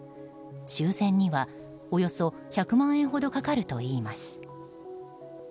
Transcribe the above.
修繕には、およそ１００万円ほどかかるといいます。